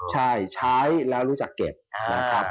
ใช่ใช้แล้วรู้จักเก็บ